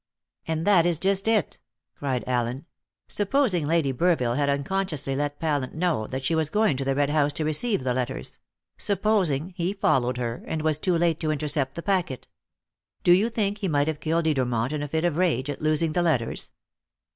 "And that is just it!" cried Allen. "Supposing Lady Burville had unconsciously let Pallant know that she was going to the Red House to receive the letters; supposing he followed her, and was too late to intercept the packet. Do you think he might have killed Edermont in a fit of rage at losing the letters?"